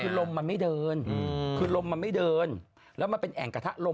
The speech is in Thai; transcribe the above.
คือลมมันไม่เดินคือลมมันไม่เดินแล้วมันเป็นแอ่งกระทะลม